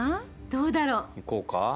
どうだろう？いこうか。